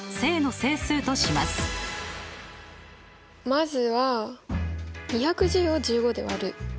まずは２１０を１５で割る。